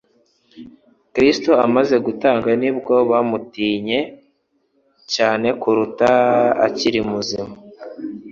Kristo amaze gutanga nibwo bamutinye cyane kuruta akiri muzima.